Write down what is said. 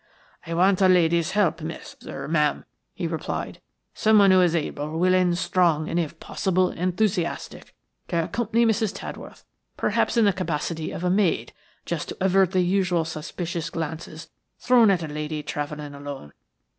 "I want a lady's help, miss–er–ma'am," he replied, "someone who is able, willing, strong, and, if possible, enthusiastic, to accompany Mrs. Tadworth–perhaps in the capacity of a maid–just to avert the usual suspicious glances thrown at a lady traveling alone.